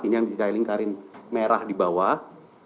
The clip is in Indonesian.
ini yang dikaling karing merah di bawah